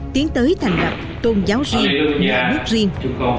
tiến tới thành lập tôn giáo riêng nhà nước riêng